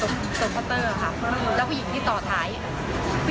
ตอนนี้เท่ากันก็มีภาพหลักฐานจากกล้องวงจักร